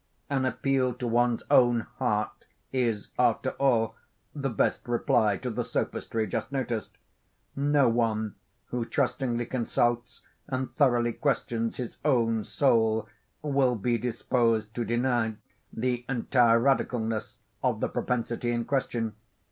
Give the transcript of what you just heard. An appeal to one's own heart is, after all, the best reply to the sophistry just noticed. No one who trustingly consults and thoroughly questions his own soul, will be disposed to deny the entire radicalness of the propensity in question.